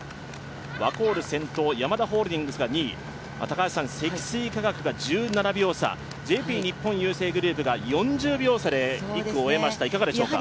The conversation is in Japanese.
ワコール先頭、ヤマダホールディングスが２位、積水化学が１７秒差、ＪＰ日本郵政グループが４０秒差で１区を終えました。